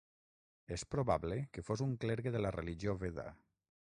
És probable que fos un clergue de la religió veda.